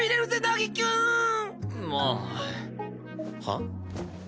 はっ？